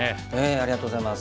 ありがとうございます。